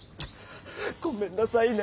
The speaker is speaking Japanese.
ごめんなさいね。